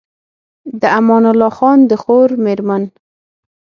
د امان الله خان د خور مېرمن